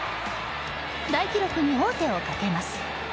大記録に王手をかけます。